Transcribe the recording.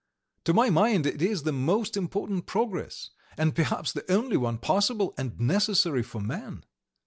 To my mind it is the most important progress, and perhaps the only one possible and necessary for man."